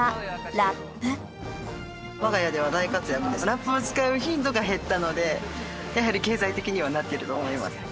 ラップを使う頻度が減ったのでやはり経済的にはなってると思います。